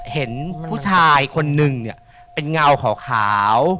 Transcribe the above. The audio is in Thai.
เห็นผู้ชายคนหนึ่งเป็นเงาขาว